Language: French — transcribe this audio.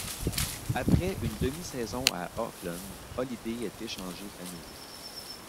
Après une demi-saison à Oakland, Holliday est échangé à nouveau.